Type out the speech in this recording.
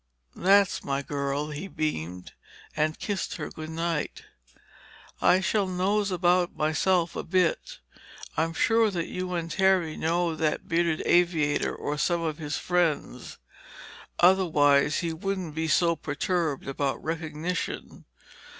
"That's my girl," he beamed, and kissed her good night. "I shall nose about, myself, a bit. I'm sure that you and Terry know that bearded aviator or some of his friends. Otherwise, he wouldn't be so perturbed about recognition.